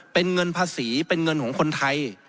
เป็นเงินภาษีเป็นเงินของคนไทย